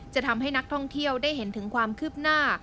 จะทำให้นักท่องเที่ยวได้เห็นถึงความคืบหน้า